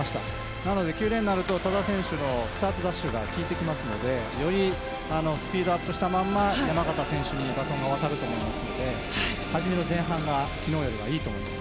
なので、９レーンになると多田選手のスタートダッシュが効いてきますのでよりスピードアップしたまま山縣選手にバトンが渡ると思いますので始めの前半が昨日よりいいと思います。